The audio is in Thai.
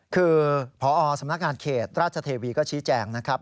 คือพอสำนักงานเขตราชเทวีก็ชี้แจงนะครับ